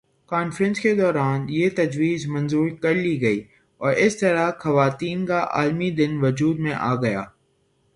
conference کے دوران یہ تجویز منظور کر لی گئی اور اس طرح خواتین کا عالمی دن وجود میں آگیا